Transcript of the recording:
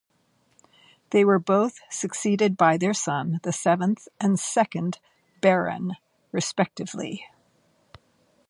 They were both succeeded by their son, the seventh and second Baron respectively.